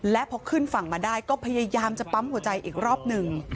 และพอขึ้นฝั่งมาได้ก็พยายามจะปั๊มหัวใจอีกรอบหนึ่ง